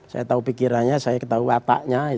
saya tahu pikirannya saya ketahui wataknya